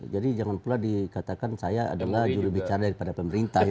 jadi jangan pula dikatakan saya adalah juru bicara daripada pemerintah